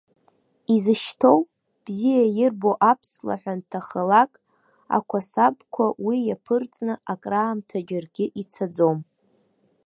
Изышьҭоу, бзиа ирбо аԥслаҳә анҭахалак, ақәасабқәа уи иаԥырҵны акраамҭа џьаргьы ицаӡом.